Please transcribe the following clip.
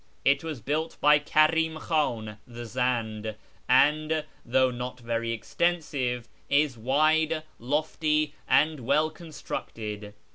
It was built by Karini Khan the Zend, and, though not very extensive, is wide, lofty, and well constructed.